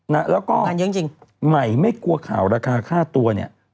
แล้วก็ใหม่ไม่กลัวข่าวราคาค่าตัวเนี่ย